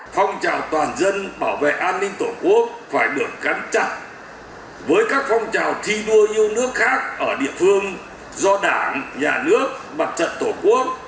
phong trào toàn dân bảo vệ an ninh tổ quốc phải được cắn chặt với các phong trào thi đua yêu nước khác ở địa phương do đảng nhà nước mặt trận tổ quốc